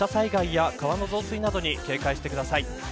土砂災害や川の増水などに警戒してください。